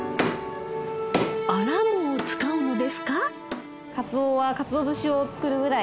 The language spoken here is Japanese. アラも使うのですか？